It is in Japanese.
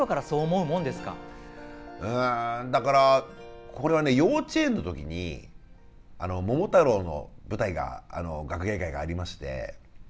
うんだからこれはね幼稚園の時に「桃太郎」の舞台が学芸会がありまして。